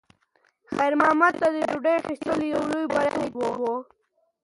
خیر محمد ته د ډوډۍ اخیستل یو لوی بریالیتوب و.